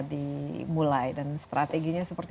dimulai dan strateginya seperti